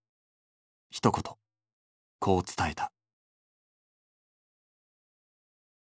ひと言こう伝えた。